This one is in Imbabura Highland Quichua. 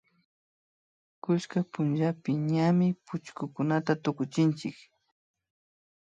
kullka pullapi ñami puchakunata tukuchinchik